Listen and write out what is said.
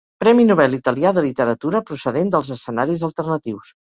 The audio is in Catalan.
Premi Nobel italià de literatura procedent dels escenaris alternatius.